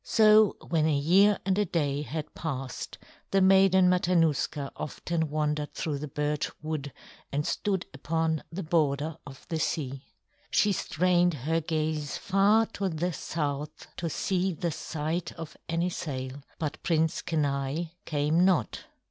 So when a year and a day had passed, the Maiden Matanuska often wandered through the birch wood and stood upon the border of the sea. She strained her gaze far to the south to see the sight of any sail; but Prince Kenai came not.